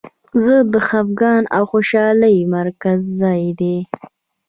زړه د خفګان او خوشحالۍ مرکزي ځای دی.